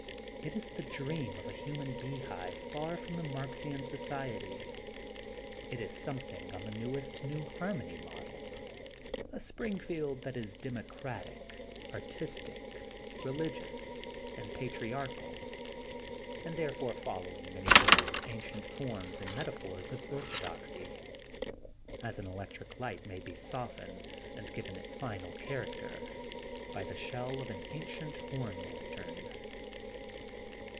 It is the dream of a human beehive far from the Marxian society. It is something on the newest New Harmony model, a Springfield that is democratic, artistic, religious, and patriarchal, and therefore following many of the most ancient forms and metaphors of orthodoxy, as an electric Ught may be soft ened and given its final character by the shell of an ancient horn lantern.